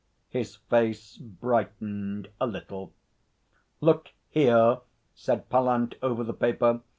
His face brightened a little. 'Look here!' said Pallant over the paper.